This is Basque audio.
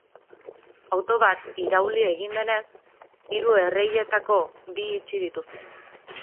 Auto bat irauli egin denez, hiru erreietako bi itxi dituzte.